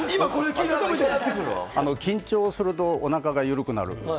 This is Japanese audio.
緊張するとおなかが緩くなる。